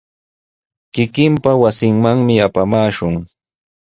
Kikinpa wasinmanmi apamaashun.